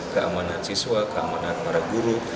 keamanan siswa keamanan para guru